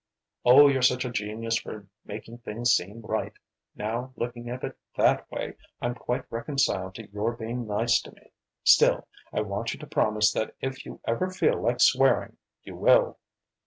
"Oh, you're such a genius for making things seem right! Now looking at it that way, I'm quite reconciled to your being nice to me. Still I want you to promise that if you ever feel like swearing, you will."